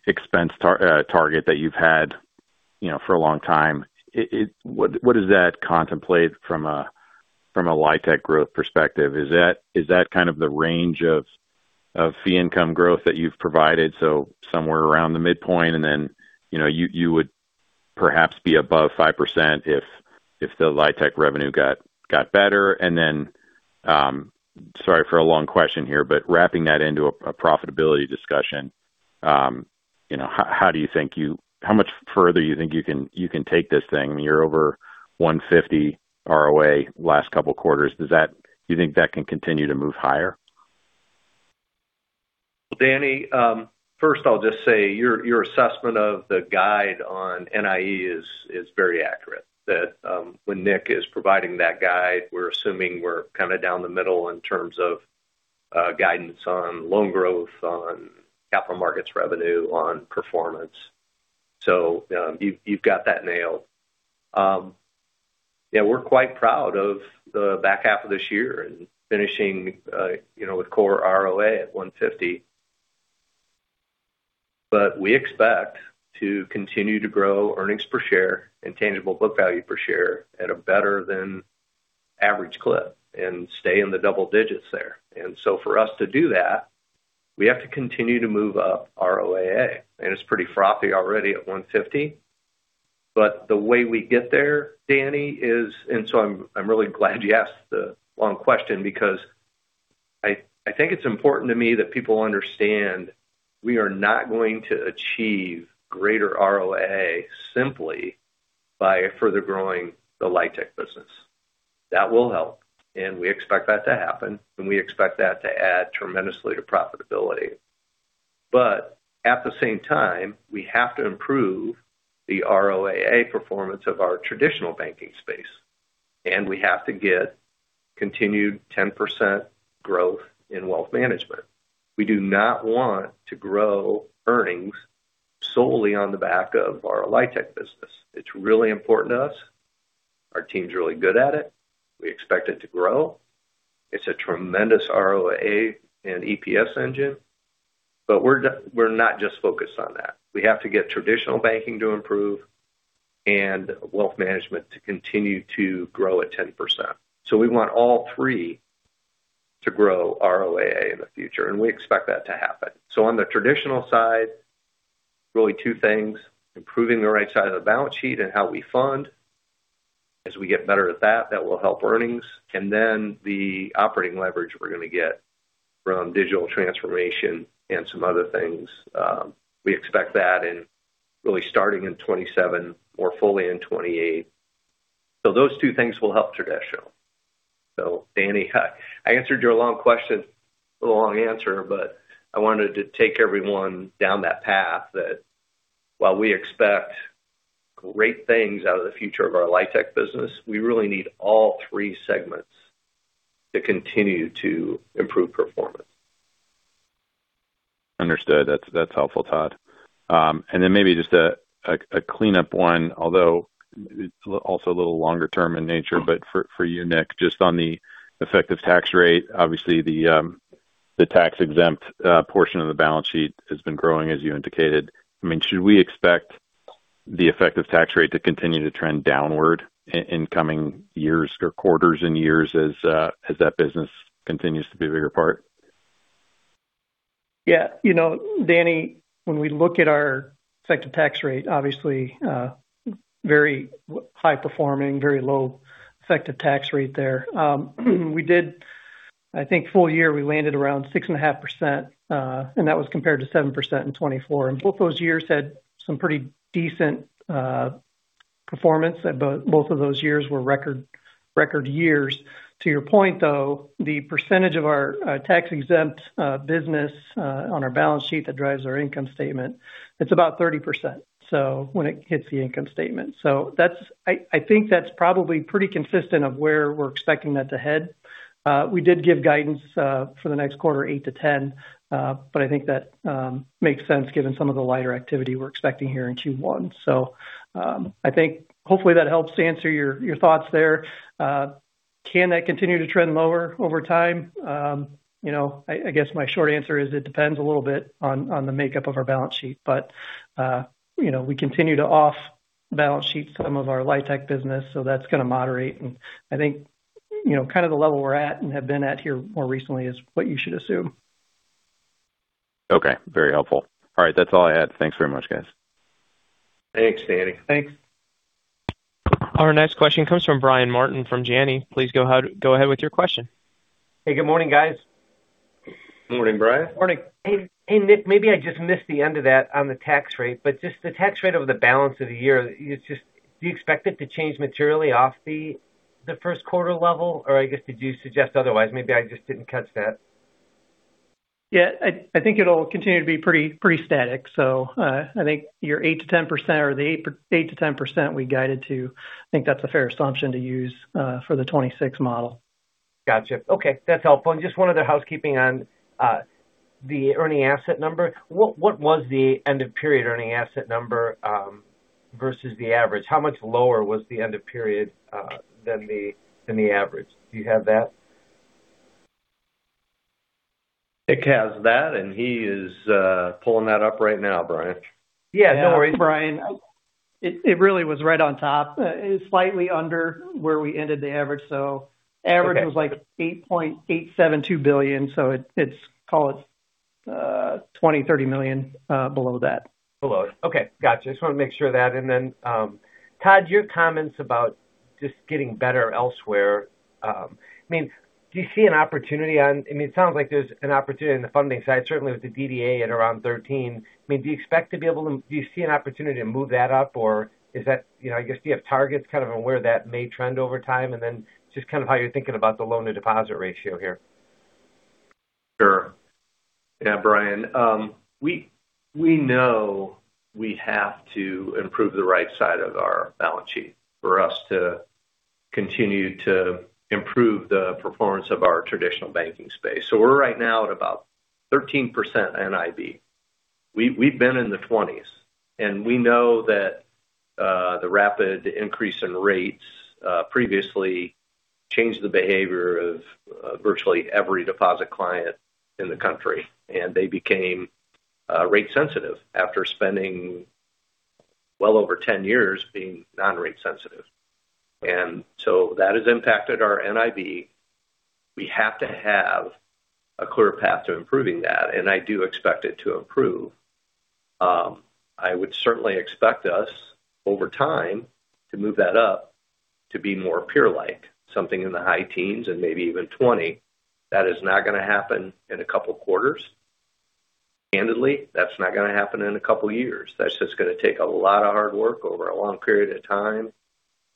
expense target that you've had, you know, for a long time? It, what does that contemplate from a, from a LIHTC growth perspective? Is that kind of the range of fee income growth that you've provided, so somewhere around the midpoint, and then, you know, you would perhaps be above 5% if the LIHTC revenue got better? Then, sorry for a long question here, but wrapping that into a profitability discussion, you know, how do you think—how much further you think you can take this thing? You're over 150 ROA last couple of quarters. Does that—do you think that can continue to move higher? Danny, first, I'll just say your assessment of the guide on NIE is very accurate. That, when Nick is providing that guide, we're assuming we're kind of down the middle in terms of guidance on loan growth, on capital markets revenue, on performance. So, you've got that nailed. Yeah, we're quite proud of the back half of this year and finishing, you know, with core ROA at 1.50. But we expect to continue to grow earnings per share and tangible book value per share at a better-than-average clip and stay in the double digits there. And so for us to do that, we have to continue to move up ROAA, and it's pretty frothy already at 1.50. But the way we get there, Danny, is, and so I'm, I'm really glad you asked the long question because I, I think it's important to me that people understand we are not going to achieve greater ROAA simply by further growing the LIHTC business. That will help, and we expect that to happen, and we expect that to add tremendously to profitability. But at the same time, we have to improve the ROAA performance of our traditional banking space, and we have to get continued 10% growth in wealth management. We do not want to grow earnings solely on the back of our LIHTC business. It's really important to us. Our team's really good at it. We expect it to grow. It's a tremendous ROA and EPS engine, but we're just, we're not just focused on that. We have to get traditional banking to improve and wealth management to continue to grow at 10%. So we want all three to grow ROAA in the future, and we expect that to happen. So on the traditional side, really two things, improving the right side of the balance sheet and how we fund. As we get better at that, that will help earnings. And then the operating leverage we're going to get from digital transformation and some other things, we expect that in really starting in 2027 or fully in 2028. So those two things will help traditional. So Danny, I answered your long question with a long answer, but I wanted to take everyone down that path, that while we expect great things out of the future of our LIHTC business, we really need all three segments to continue to improve performance. Understood. That's, that's helpful, Todd. And then maybe just a cleanup one, although it's also a little longer term in nature. But for you, Nick, just on the effective tax rate, obviously, the tax-exempt portion of the balance sheet has been growing, as you indicated. I mean, should we expect the effective tax rate to continue to trend downward in coming years or quarters and years as that business continues to be a bigger part? Yeah. You know, Danny, when we look at our effective tax rate, obviously, very high performing, very low effective tax rate there. We did, I think full year, we landed around 6.5%, and that was compared to 7% in 2024. And both those years had some pretty decent performance. Both of those years were record, record years. To your point, though, the percentage of our tax-exempt business on our balance sheet that drives our income statement, it's about 30%, so when it hits the income statement. So that's, I think that's probably pretty consistent of where we're expecting that to head. We did give guidance for the next quarter, 8%-10%, but I think that makes sense given some of the lighter activity we're expecting here in Q1. So, I think hopefully that helps to answer your, your thoughts there. Can that continue to trend lower over time? You know, I, I guess my short answer is it depends a little bit on, on the makeup of our balance sheet. But, you know, we continue to off balance sheet some of our LIHTC business, so that's going to moderate. And I think, you know, kind of the level we're at and have been at here more recently is what you should assume. Okay. Very helpful. All right, that's all I had. Thanks very much, guys. Thanks, Danny. Thanks. Our next question comes from Brian Martin, from Janney. Please go ahead, go ahead with your question. Hey, good morning, guys. Morning, Brian. Morning. Hey, hey, Nick, maybe I just missed the end of that on the tax rate, but just the tax rate over the balance of the year, it's just, do you expect it to change materially off the first quarter level? Or I guess, did you suggest otherwise? Maybe I just didn't catch that. Yeah, I think it'll continue to be pretty static. So, I think your 8%-10% or the 8%-10% we guided to, I think that's a fair assumption to use, for the 2026 model. Gotcha. Okay, that's helpful. Just one other housekeeping on the earning asset number. What was the end of period earning asset number versus the average? How much lower was the end of period than the average? Do you have that? Nick has that, and he is pulling that up right now, Brian. Yeah, no worries. Brian, it really was right on top. It's slightly under where we ended the average. Okay. So average was, like, $8.872 billion, so it, it's call it $20 million-$30 million below that. Below it. Okay, gotcha. Just want to make sure of that. And then, Todd, your comments about just getting better elsewhere, I mean, do you see an opportunity on, I mean, it sounds like there's an opportunity on the funding side, certainly with the DDA at around 13. I mean, do you expect to be able to, do you see an opportunity to move that up? Or is that, you know, I guess, do you have targets kind of on where that may trend over time? And then just kind of how you're thinking about the loan-to-deposit ratio here. Sure. Yeah, Brian, we know we have to improve the right side of our balance sheet for us to continue to improve the performance of our traditional banking space. So we're right now at about 13% NIB. We've been in the 20s, and we know that the rapid increase in rates previously changed the behavior of virtually every deposit client in the country, and they became rate sensitive after spending well over 10 years being non-rate sensitive. And so that has impacted our NIB. We have to have a clear path to improving that, and I do expect it to improve. I would certainly expect us, over time, to move that up to be more peer-like, something in the high teens and maybe even 20. That is not going to happen in a couple of quarters. Candidly, that's not going to happen in a couple of years. That's just going to take a lot of hard work over a long period of time.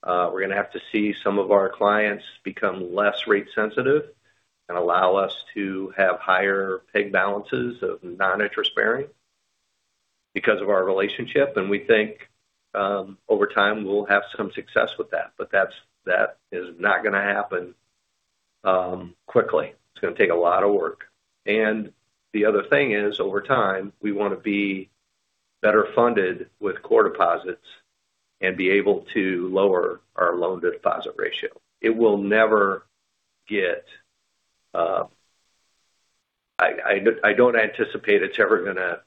We're going to have to see some of our clients become less rate sensitive and allow us to have higher peg balances of non-interest bearing because of our relationship, and we think, over time, we'll have some success with that. But that's that is not going to happen, quickly. It's going to take a lot of work. And the other thing is, over time, we want to be better funded with core deposits and be able to lower our loan-to-deposit ratio. It will never get. I don't anticipate it's ever going to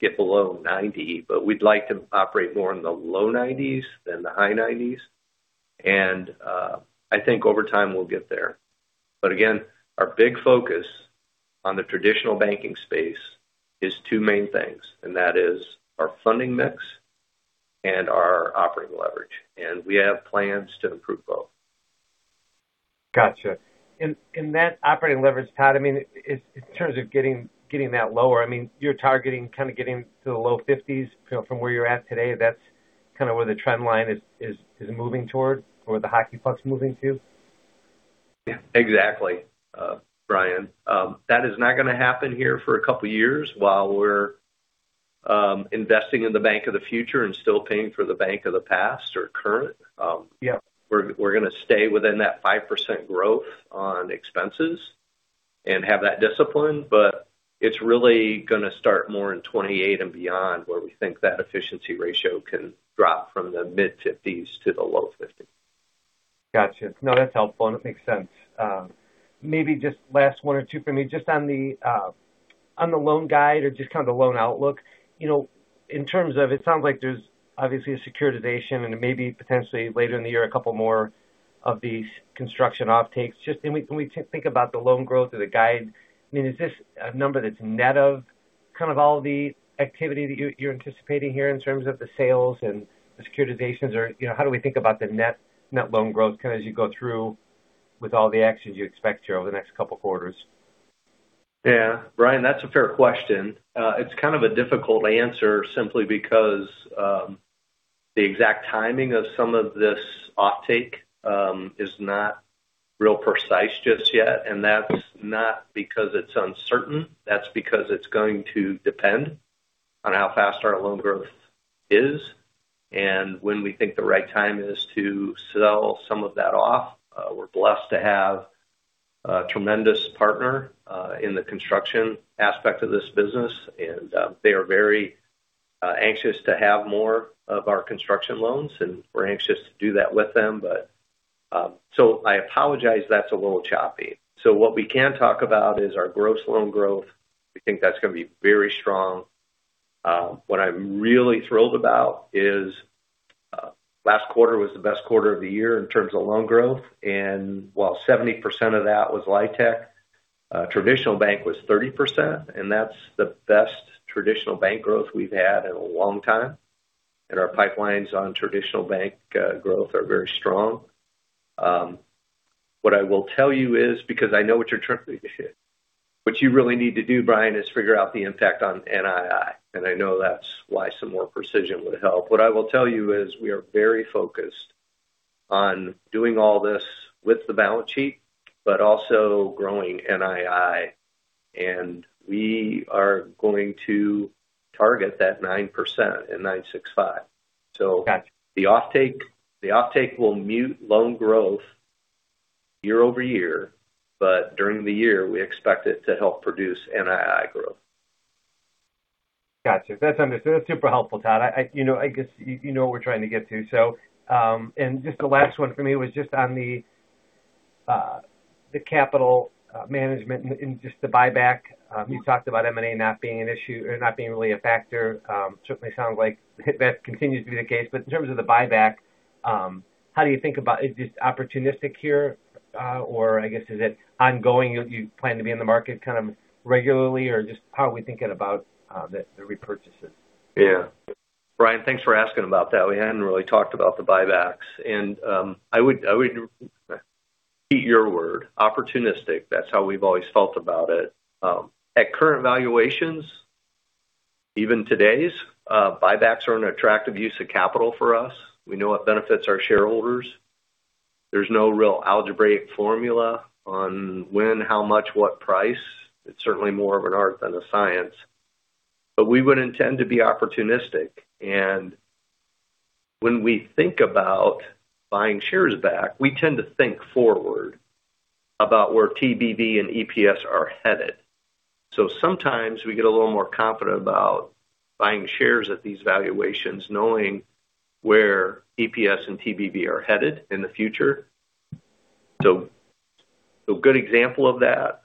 get below 90, but we'd like to operate more in the low 90s than the high 90s. I think over time, we'll get there. But again, our big focus on the traditional banking space is two main things, and that is our funding mix and our operating leverage, and we have plans to improve both. Gotcha. In that operating leverage, Todd, I mean, in terms of getting that lower, I mean, you're targeting kind of getting to the low fifties, you know, from where you're at today. That's kind of where the trend line is moving toward or the hockey puck's moving to? Yeah, exactly, Brian. That is not going to happen here for a couple of years while we're investing in the bank of the future and still paying for the bank of the past or current. Yeah. We're going to stay within that 5% growth on expenses and have that discipline, but it's really going to start more in 2028 and beyond, where we think that efficiency ratio can drop from the mid-50s% to the low-50s%. Got you. No, that's helpful, and it makes sense. Maybe just last one or two for me, just on the on the loan guide or just kind of the loan outlook. You know, in terms of, it sounds like there's obviously a securitization and maybe potentially later in the year, a couple more of these construction offtakes. Just when we, when we think about the loan growth or the guide, I mean, is this a number that's net of kind of all the activity that you, you're anticipating here in terms of the sales and the securitizations? Or, you know, how do we think about the net, net loan growth, kind of, as you go through with all the actions you expect here over the next couple of quarters? Yeah, Brian, that's a fair question. It's kind of a difficult answer, simply because the exact timing of some of this offtake is not real precise just yet. And that's not because it's uncertain, that's because it's going to depend on how fast our loan growth is and when we think the right time is to sell some of that off. We're blessed to have a tremendous partner in the construction aspect of this business, and they are very anxious to have more of our construction loans, and we're anxious to do that with them. But, so I apologize, that's a little choppy. So what we can talk about is our gross loan growth. We think that's going to be very strong. What I'm really thrilled about is, last quarter was the best quarter of the year in terms of loan growth, and while 70% of that was LIHTC, traditional bank was 30%, and that's the best traditional bank growth we've had in a long time. Our pipelines on traditional bank growth are very strong. What I will tell you is, because I know what you're trying to get here. What you really need to do, Brian, is figure out the impact on NII, and I know that's why some more precision would help. What I will tell you is we are very focused on doing all this with the balance sheet, but also growing NII, and we are going to target that 9% in 9-6-5. Got you. So the offtake, the offtake will mute loan growth year-over-year, but during the year, we expect it to help produce NII growth. Got you. That's – that's super helpful, Todd. You know, I guess you know what we're trying to get to. So, and just the last one for me was just on the, the capital, management and just the buyback. You talked about M&A not being an issue or not being really a factor. Certainly sounds like that continues to be the case. But in terms of the buyback, how do you think about... Is this opportunistic here? Or I guess, is it ongoing? You plan to be in the market kind of regularly, or just how are we thinking about, the, the repurchases? Yeah. Brian, thanks for asking about that. We hadn't really talked about the buybacks, and, I would, I would repeat your word, opportunistic. That's how we've always felt about it. At current valuations, even today's, buybacks are an attractive use of capital for us. We know it benefits our shareholders. There's no real algebraic formula on when, how much, what price. It's certainly more of an art than a science. But we would intend to be opportunistic, and when we think about buying shares back, we tend to think forward about where TBV and EPS are headed. So sometimes we get a little more confident about buying shares at these valuations, knowing where EPS and TBV are headed in the future. So, a good example of that,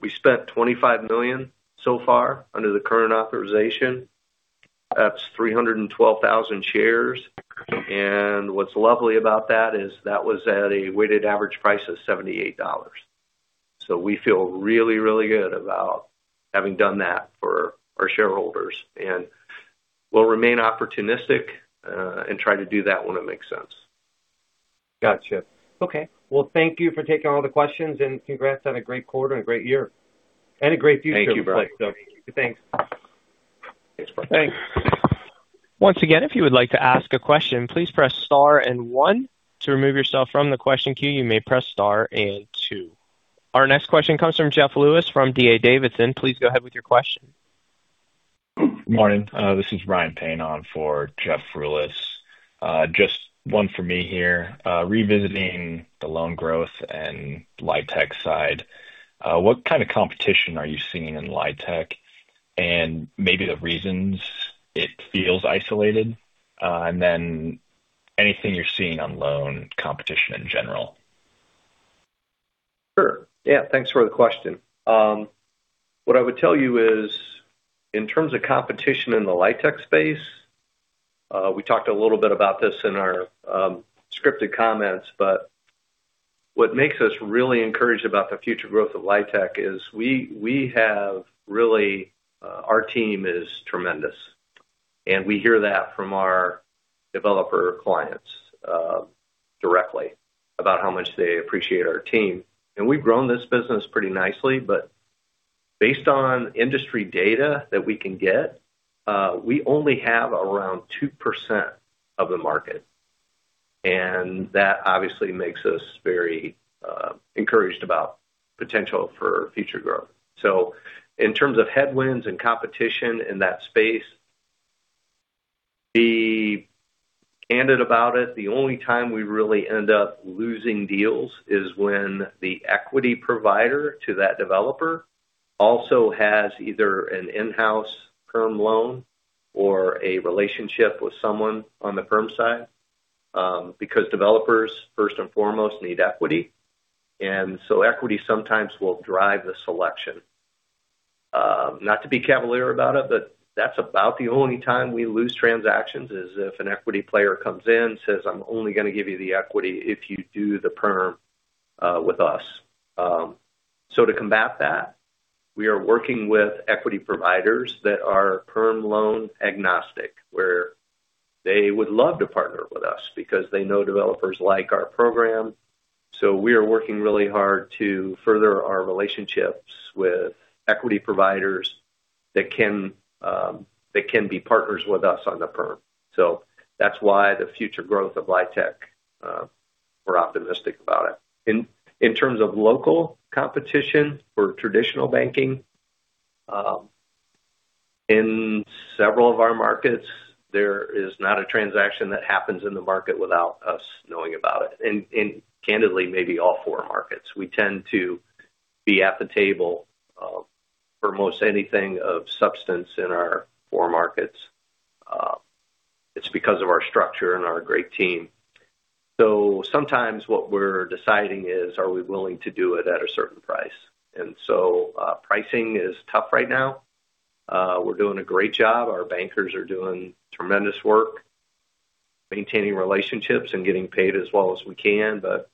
we spent $25 million so far under the current authorization. That's 312,000 shares. What's lovely about that is that was at a weighted average price of $78. We feel really, really good about having done that for our shareholders, and we'll remain opportunistic, and try to do that when it makes sense. Got you. Okay, well, thank you for taking all the questions, and congrats on a great quarter and a great year, and a great future. Thank you, Brian. Thanks. Thanks, Brian. Once again, if you would like to ask a question, please press Star and one. To remove yourself from the question queue, you may press Star and two. Our next question comes from Jeff Rulis, from D.A. Davidson. Please go ahead with your question. Good morning, this is Ryan Payne on for Jeff Rulis. Just one for me here. Revisiting the loan growth and LIHTC side, what kind of competition are you seeing in LIHTC? And maybe the reasons it feels isolated, and then anything you're seeing on loan competition in general. Sure. Yeah, thanks for the question. What I would tell you is, in terms of competition in the LIHTC space, we talked a little bit about this in our scripted comments, but what makes us really encouraged about the future growth of LIHTC is we, we have really our team is tremendous, and we hear that from our developer clients directly about how much they appreciate our team. And we've grown this business pretty nicely, but based on industry data that we can get, we only have around 2% of the market. And that obviously makes us very encouraged about potential for future growth. So in terms of headwinds and competition in that space, be candid about it. The only time we really end up losing deals is when the equity provider to that developer also has either an in-house perm loan or a relationship with someone on the perm side. Because developers, first and foremost, need equity, and so equity sometimes will drive the selection. Not to be cavalier about it, but that's about the only time we lose transactions, is if an equity player comes in and says, "I'm only going to give you the equity if you do the perm with us." So to combat that, we are working with equity providers that are perm loan agnostic, where they would love to partner with us because they know developers like our program. So we are working really hard to further our relationships with equity providers that can, that can be partners with us on the perm. So that's why the future growth of LIHTC, we're optimistic about it. In terms of local competition for traditional banking, in several of our markets, there is not a transaction that happens in the market without us knowing about it. And candidly, maybe all four markets. We tend to be at the table for most anything of substance in our four markets. It's because of our structure and our great team. So sometimes what we're deciding is: are we willing to do it at a certain price? And so, pricing is tough right now. We're doing a great job. Our bankers are doing tremendous work, maintaining relationships and getting paid as well as we can. But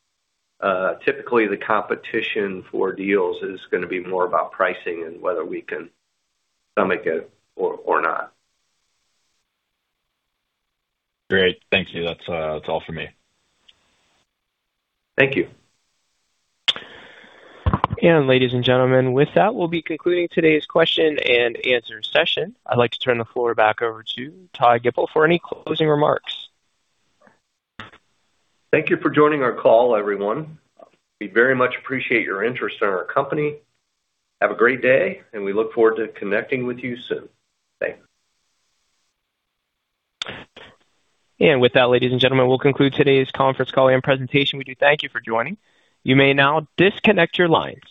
typically, the competition for deals is gonna be more about pricing and whether we can stomach it or not. Great. Thank you. That's, that's all for me. Thank you. Ladies and gentlemen, with that, we'll be concluding today's question and answer session. I'd like to turn the floor back over to Todd Gipple for any closing remarks. Thank you for joining our call, everyone. We very much appreciate your interest in our company. Have a great day, and we look forward to connecting with you soon. Thanks. With that, ladies and gentlemen, we'll conclude today's conference call and presentation with you. Thank you for joining. You may now disconnect your lines.